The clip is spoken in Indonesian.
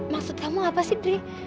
maksud kamu apa sih dri